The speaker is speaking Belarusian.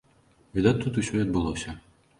Відаць тут усё і адбылося.